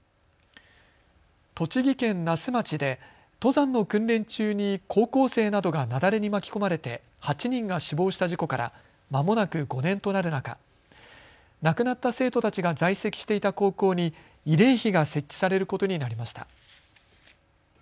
栃木県那須町で登山の訓練中に高校生などが雪崩に巻き込まれて８人が死亡した事故からまもなく５年となる中、亡くなった生徒たちが在籍していた高校に慰霊碑が設置されることになりました。